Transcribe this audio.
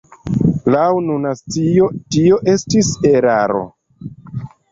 Laŭ nuna scio tio estis eraro.